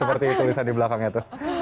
seperti tulisan di belakangnya itu